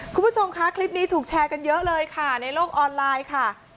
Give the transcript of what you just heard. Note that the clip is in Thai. คุณผู้ชมคะคลิปนี้ถูกแชร์กันเยอะเลยค่ะในโลกออนไลน์ค่ะ